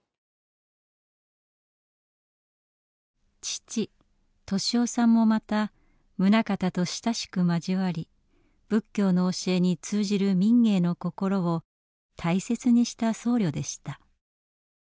父利雄さんもまた棟方と親しく交わり仏教の教えに通じる民藝の心を大切にした僧侶でした。